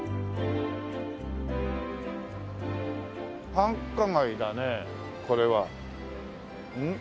繁華街だねえこれは。ん？